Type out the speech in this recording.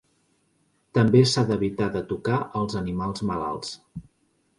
També s’ha d’evitar de tocar els animals malalts.